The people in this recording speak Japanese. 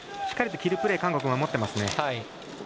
しっかりキルプレー韓国、守っていますね。